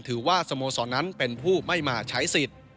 สโมสรนั้นเป็นผู้ไม่มาใช้สิทธิ์